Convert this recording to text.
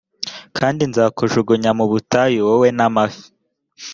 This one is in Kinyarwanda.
kandi nzakujugunya mu butayu wowe n’amafi